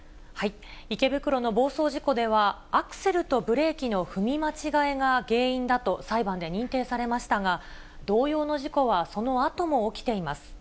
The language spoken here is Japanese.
池袋の暴走事故では、アクセルとブレーキの踏み間違えが原因だと裁判で認定されましたが、同様の事故はそのあとも起きています。